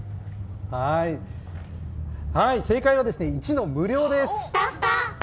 正解は１の無料です。